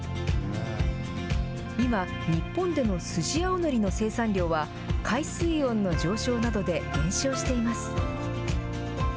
今、日本でのスジアオノリの生産量は、海水温の上昇などで減少しています。